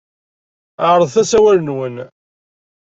Ɛerḍet asawal-nwen.